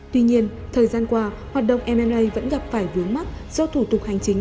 tuy nhiên thời gian qua hoạt động m a vẫn gặp phải vướng mắt do thủ tục hành chính